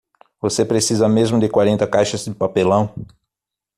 Você precisa mesmo de quarenta caixas de papelão?